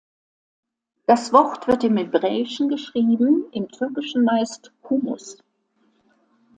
Das Wort wird im Hebräischen geschrieben, im Türkischen meist "humus".